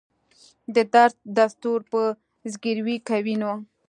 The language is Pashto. د درد دستور به زګیروی کوي نو.